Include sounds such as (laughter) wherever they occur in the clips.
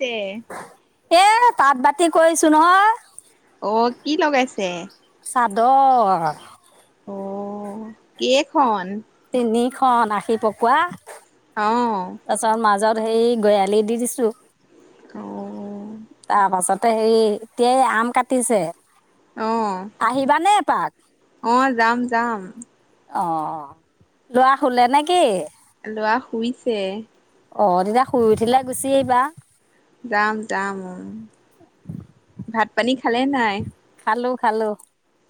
ছে এ তাত বাতি কৰিছো নহয়। অ' কি লগাইছে? চাদৰ। অ (unintelligible) তিনিখন, আশি পকোৱা। অঁ। সেই গয়ালি দি দিছো। অ তাৰ পাছত তেই হে এতিয়াই আম কাটিছে। অ' আহিবানে এপাক অ' যাম। যাম। অঁ, ল'ৰা খোুলে নে কি? লোৱা শুইছে। অঁ, দিনা শুই উঠিলে গুচি আহিবা। যাম যাম, উ' ভাত পানী খালে নাই? খালো খালো।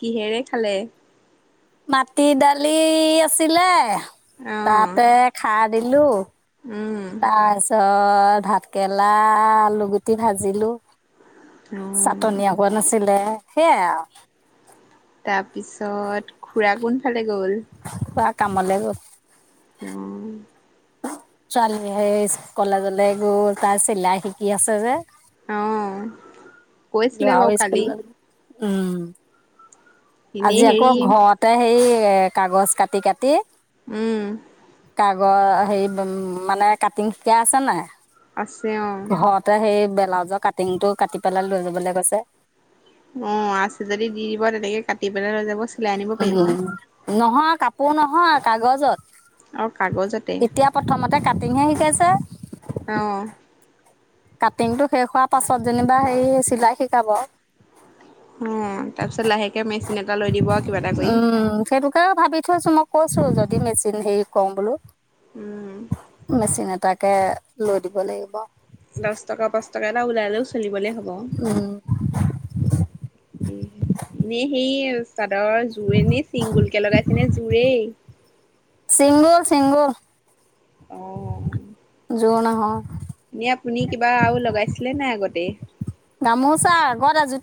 কিহেৰে খালে? মাটি দালি আছিলে। অ তাতে খাৰ দিলো। উম তাৰ পাছত ভাত কেৰেলা আলুগুটি ভাজিলো। অ চাটনি অকন কোৱা নছিল আছিলে সেইয়াই আৰু। তা তাৰপিছত খুৰা গোণফালে গ'? ল (inaudible) খুৰা কামলে গল। উম। ছোৱালী সেই কলেজলৈ গৈ, তাৰ চিলাই শিকি আছে যে। অঁ। যৱইছক ল (unintelligible) উম। এনেই আজি আকৌ হেৰি ঘৰতে, হেই এ কাগজ কাটি কাটি উম। তগৰ হেৰি মানে কাটিং শিকাই আছে নাই? আছে অ ঘৰতে হেৰি বে ব্লাজৰ কাটিংটো, কাটি পেলালো এ মো কৈছে (unintelligible) অঁ আছে যদি দি দিব, তেনেকে কাটি পেলাই লৈ যাব চিলায় আনিব পাৰিব উম, নহয় কাপোৰ নহয় কাগজত অঁ কাগজতে। ততে কাটিংহে শিকাইছে? অঁ। কাটিংটো শেষ হোৱাৰ পাছত যেনিবা হে চিলাই শিকাব। ওম' তাৰপিছত লাহেকে মেচিন এটা লৈ দিব আৰু কিবা এটা কৰি। উম, কি মেচিন হেৰি কওঁ বোলো? উম মেচিনা এতাক তাকে লৈ দিব লাগিব। দছ টকা পাঁচ টকা এটা ওলালে'ও চলি চলিবলে হব। উম এনে সেই চাদৰ জোৰে এনে চিংগুলকে লগাইছে ন জোৰেই? শিংগুৰ (unintelligible) অঁ। ৰণ হ (unintelligible) এনে আপুনি কিবা আৰু লগাইছিলে নাই আগতে?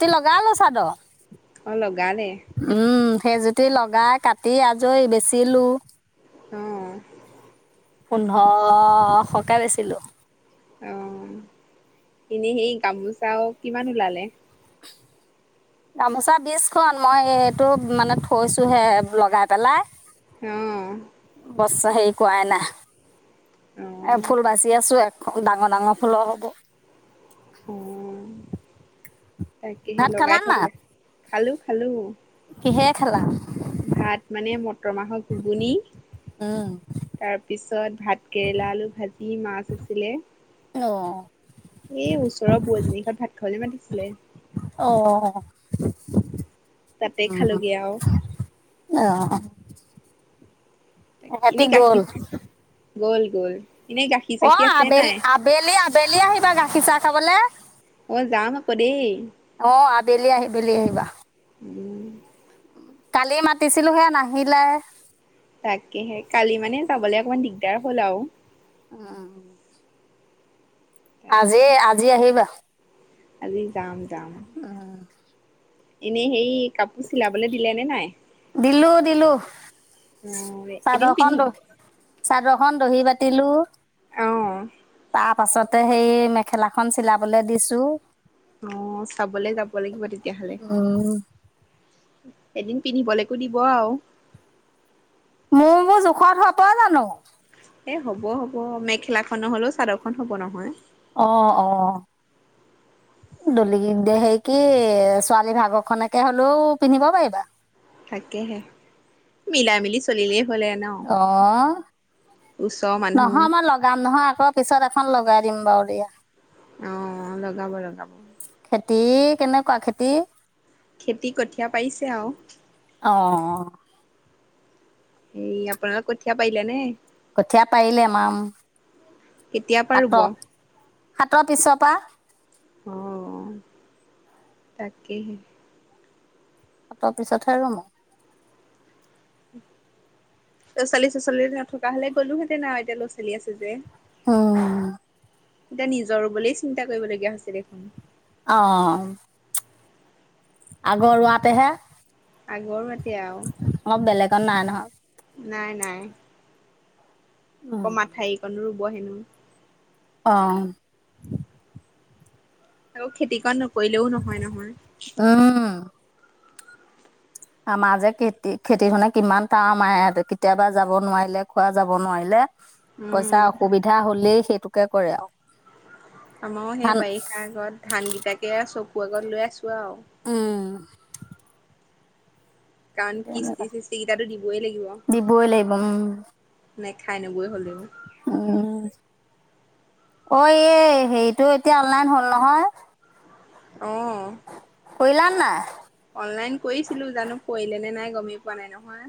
তি লগালালো চাদৰ। অল (unintelligible) গানে সেইজুতি লগাই কাটি আজৰি বেচিলো অ' পোন্ধৰ সকাহ বেছিলো। অ' এনেই সেই গামোচাও কিমান ওলালে? গামোচা বিছখন মই এইটো মানে থৈছো হে লগাই পেলাই। হুম চাহেই ক আইনা অ এ ফুল বাচি আছো এক ডাঙৰ, ডাঙৰ ফুলৰ হ'ব। অ' তাকে সেই ভাত লগাই খালা না থাকিলো। খালোঁ, খালোঁ। কিহে খালা? ভাত মানে মটৰ মাহৰ ঘুগুনি, উম তাৰপিছত ভাত কেৰেলা, আলু ভাজি, মাছ। পছিলে অ এ ওচৰৰ বোৱাৰজনী ঘত ভাত খাবলৈ মাতিছিলে। অ অ (inaudible) তাতে খালগে আৰু। আহ। ওহাতি এনেই গ'ল। গাখীৰ গ'ল গৈ অ' আ বেল আ বেলি আ বেলি আহিবা গাখীৰ চাহ খাবলে। অ যাম আকৌ দেই অ' আ বেলি আহি বেলি আহি ৱাহ উম। কালিয় মাতিছিলোহে নাহিলাএ। তাকেহে কালি মানে যাবলে অকণমান দিগ তেয়াৰ হ'ল আওঁ উম উ। আজি আজি আহিবা। আ যাম, যাম। এনেই হেই কাপোৰ চিলাবলৈ দিলে নে নাই? দিলো, দিলো অ এদিন চাদৰ খন পিন্ধিম দ চাদৰ খন দহি পাতিলো। অঁ তাৰ পাছতে হেই মেখেলাখন চিলাবলে দিছো। অঁ' চাবলে যাব লাগিব তেতিয়াহলে। উম এদিন পিন্ধিবলৈকো দিব আৰু। মোৰ মোৰ জোখত হব জানো? এ হ'ব হ'ব, মেখেলা খ নহলেও চাদৰ খন হ'ব নহয়। অঁ-অঁ দলি হে কি ছোৱালী ভাগৰ খকে হলেও পিন্ধিব পাৰিবা। তাকেহে মিলা মিলি চলিলে অঁ ওচৰৰ মানুহ নহয় মই লগাম নহয় আকৌ, পিছত এখন লগাই দিম বাৰু য়া (unintelligible) অঁ লগাব লগাব। খেতি কেনেকুৱা, খেতি? খেতি কঠীয়া পাৰিছে আৰু। অ' সে আপোনাৰ কঠীয়া পায়িলে নে? কঠীয়া পাৰিলে মাম, কেতিয়া পৰা ৰুব সাতৰ, সাতৰ পিছৰ পৰা। অঁ তাকেই। তৰ পিছতহে ৰৰুমো। ত'ৰাোৱাল্িছ চ চাল্লি নথকা হলে গ'লো হেতে না এতিয়া ল'ৰা ছোৱালী আছে যে। উম। এতিয়া নিজৰ বুলি চিন্তা কৰিবলগীয়া হৈছে দেখোন। অঁ। আগৰ ৰুৱাতে হে আগৰ মতিয়া আৰু। ত' নাই নহয়। নাই নাই। উম, ক মাথাই কন'ৰু বহেনো (unintelligible) অঁ। আৰু খেতি কৰা নক কৰিলেও নহয় নহয়। উম আমাৰ যে খেতি, খেতি ধৰণে কিমান কাম মায়ে, কেতিয়াবা যাব নোৱাৰিলে, খোৱা যাব নোৱাৰিলে। পইচা উম অসুবিধা হলেই সেই টোকে কৰে আৰু। আমাৰো সেই ধান বাৰিষা আগত ধান ক তাকে চব খুৱগত লৈ আছোঁ আৰু। উম কাৰণ কিস্তি চিস্তি কেইটাটো দিবই লাগিব। দিবই লাগিব নে খাই নবৈ হলোও হ'ম। অ' এই হেৰিতটো এতিয়া অনলাইন হ'ল নহয়। অহ। কৰিলা না নাই? অনলাইন কৰিছিলো জানো পঢ়িলে নে নাই গমেই পোৱা নাই নহয়।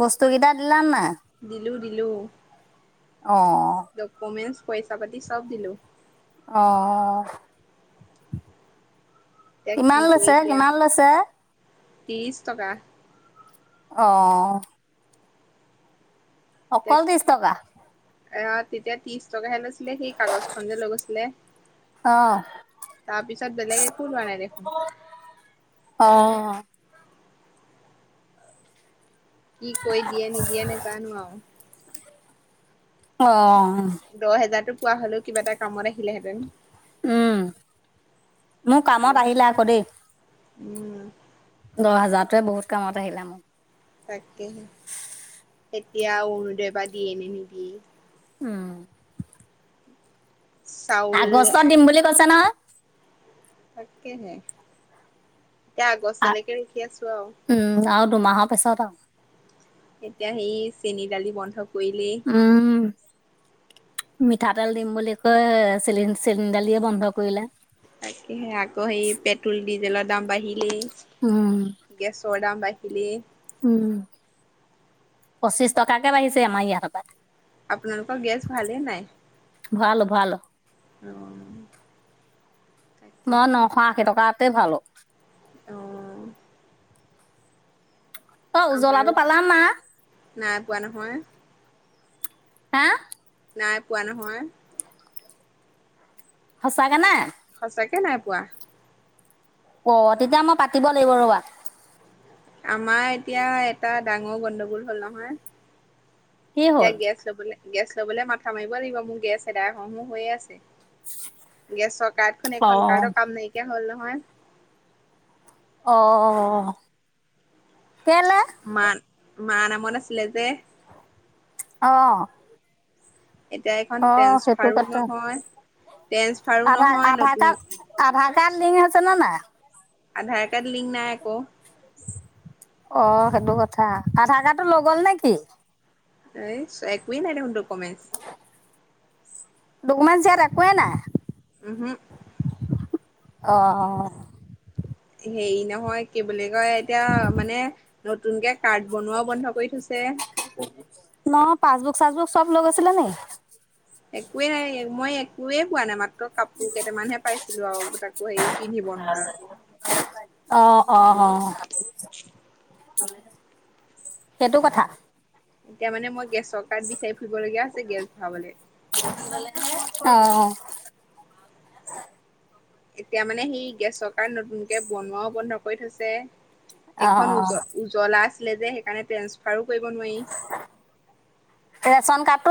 বস্তু কেইটা দিলান নাই? দিলু দিলু অঁ ডকুমেণ্ট পইচা পাতি চব দিলো। অ' এতিয়া কি কিমান কৰি লৈছে, দিয়ে কিমান লৈছে? ত্ৰিশ টকা। অ' অকল এিছ টকা? অ' তেতিয়া ত্ৰিশ টকাহে লৈছিলে সেই কাগজ খন যে লৈ গৈছিলে অঁ তাৰপিছত বেলেগে একো লোৱা নাই দেখোন। অঁ কি কৈ দিয়ে নিদিয়ে নে জানো আৰু। অ' দহ হেজাৰতো পোৱা হলেও কিবা এটা কামত আহিলেহেঁতেন। মোৰ কামত আহিলে আকৌ দেই উম। দহ হাজাৰটোৱে বহুত কামত চাহিল ম তাকে (inaudible) এতিয়া অৰুনউদৈ বা দিয়ে নে নিদিয়ে। উম। চাউল আগষ্টত দিম বুলি কৈছো নহয়। তাকেহে। এতিয়া আগছলৈকে ৰাখি আছো আৰু। উম আৰু দুমাহৰ পিছত আৰু এতিয়া সেই চেনী দালি বন্ধ কইলে উম মিঠাতেল দিম বুলি কৈ চিল চিলিণ্ডাৰ দিয়ে বন্ধ কৰিলে। তাকেহে আকৌ সেই পেট্ৰল ডিজেলৰ দাম উম বাঢ়িলেই। গেছৰ দাম বাই হিলে উম পঁচিশ টকাকে বাঢ়িছে আমাৰ ইয়াতৰ পৰা আপোনালোকৰ গেছ ভালেই নাই ভআলো ভআলো উম মই নশ আশী টকাত ভাল অ অ আমাৰো উজ্বলাটো পালা না নাই পোৱা নহয় হে নাই পোৱা নহয় সঁচা কে নে সঁচাকে নাই পোৱা অ তেতিয়া মই পাতিব লাগিব ৰ'বা আমাৰ এতিয়া এটা ডাঙৰ গণ্ডগোল হ'ল নহয় কি এতিয়া হ'ল গে চ বোলে গেছ ল'বলৈ মাথা মাৰিব লাগিব মোৰ গেছ এদাই হও হও হৈয়ে আছে গেছৰ কাৰ্ড খন অ এখন কাৰ্ডৰ কাম নাইকিয়া হ'ল ন নহয় অ কেলে মা মা নামত আছিলে যে অহ এতিয়া এখন ট্ৰেঞ্চ ফাৰো নহয় ট্ৰেঞ্চফাৰো নহয় নতুন তাত লিং আছে না নাই আধাৰ কাৰ্ড লিংক নাই আকৌ অ সেইটো কথা আধাৰ কাৰ্ডটো লৈ গ'ল নে কি? এইচ একোৱেই নাই দেখোন দোক উপমেশ ডকুমেনচ ইয়াত একোৱেই নাই উম হো অঁ হেৰি নহয় কি বোলে কয় এতিয়া মানে নতুনকে কাৰ্ড বনোৱাও বন্ধ কৰি থৈছে চাজবোক চব লৈ গৈছিলা নি একুৱে পোৱা নাই মাত কাপোৰ কেইটামানহে পাইছিলো আৰু তাকো হেৰি পিন্ধিব নোৱাৰা অ অ অ সেইটো কথা এতিয়া মানে মই গেছ চকাত বিচাৰি ফুৰিব লগীয়া হৈছে গেছ ভৰাবলে অ অ এতিয়া মানে সি গেছৰ কাৰ নতুনকে বনোৱাও বন্ধ কৰি থৈছে অ এখন অ উজ উজ্বলা লেজে সেইকাৰনে সাৰো কৰিব নোৱাৰি? তো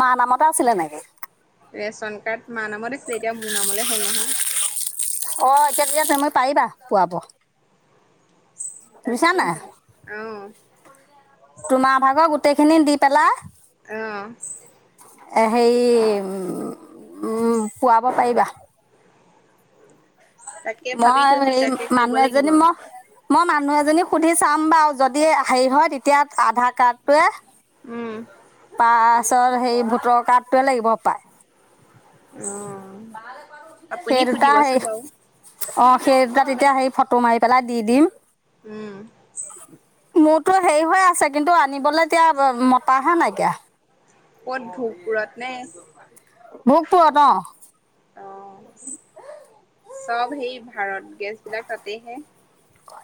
মা নামতে আছিলে নেকি? ৰেচন কাৰ্ড মা নামত আছিলে এতিয়া মোৰ নামলে হ'ল নহয়। অ' এতিয়াতিয়া তুমি পাৰিবা পুৱাব। তাকেহে অ' তোমাৰ ভাগৰ গোটেই খিনি দি পেলা আহ। এ হেই উ উ পোৱাব পাৰিবা। তাকে ভাবি মই থৈছো হে তাকে কৰিব মানুহ লাগিব। এজনী ম মই মানুহ এজনীক সুধি চাম বাৰু যদি হেৰি হয় তেতিয়া আধাৰ কাৰ্ডটোৱে উম। ছত সেই ভোটৰ কাৰ্ডটোৱে লাগিব পায় অ' আপুনি সুধিবচোন বাৰু অ' সেইতা এতিয়া সেই ফটো মাৰি পেলাই দি দিম উম। মোৰতো হেৰি হৈ আছে কিন্তু আনিবলৈ এতিয়া মতাহে নাইকিয়া। ক'ত ভোপুৰত নে? ভুকপোৰত অ অ' (inaudible) চব সেই ভাৰত গেছ বিলাক তাতেহে। ক (unintelligible)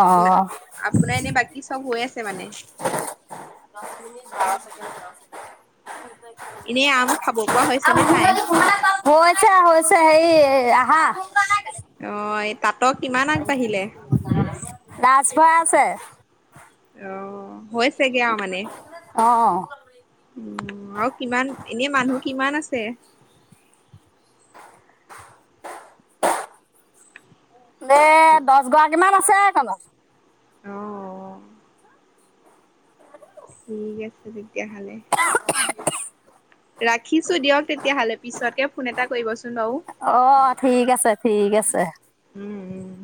আপোনাৰ, আপোনাৰ এনে বাকী চব হৈ আছে? সেমানে এনেই আম খাব পৱা হৈছে নে নাই? হৈছে হৈছে সেই আহা। তাঁাটক কিমান আগবাঢ়িলে? ৰাজ ভাই আছে অ' হৈছেগে অ মানে? অ', অ' উ আৰু কিমান এনে মানুহ কিমান আছে? দে দহগৰাক কিমান আছে কণত? আহ। ঠিক আছে দি তেতিয়াহালে ৰাখিছো দিয়ক তেতিয়াহলে পিছতকে ফোন এটা কৰিবচোন বাৰু অ', ঠিক আছে ঠিক আছে। উম